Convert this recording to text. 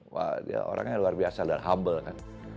wah dia orangnya luar biasa dan humble kan